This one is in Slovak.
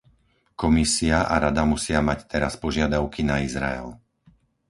Komisia a Rada musia mať teraz požiadavky na Izrael.